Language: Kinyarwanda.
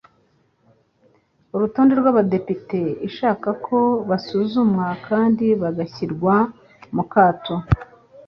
urutonde rw'abadepite ishaka ko basuzumwa kandi bagashyirwa mu kato.